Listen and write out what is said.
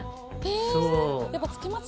そう。